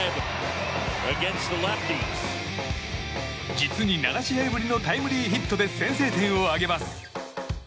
実に７試合ぶりのタイムリーヒットで先制点を挙げます。